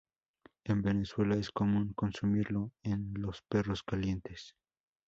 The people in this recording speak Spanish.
En Venezuela es común consumirlo en los perros calientes.